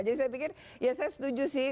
jadi saya pikir ya saya setuju sih